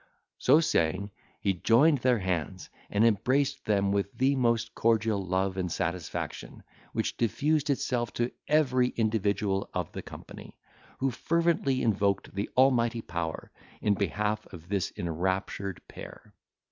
So saying, he joined their hands, and embraced them with the most cordial love and satisfaction, which diffused itself to every individual of the company, who fervently invoked the Almighty Power, in behalf of this enraptured pair.